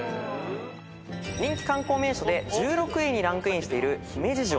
人気観光名所で１６位にランクインしている姫路城。